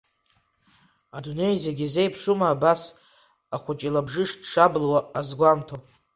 Адунеи зегь азеиԥшума абас, ахәыҷ илабжыш дшабылуа азгәамҭо?